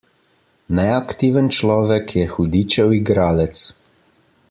Neaktiven človek je hudičev igralec.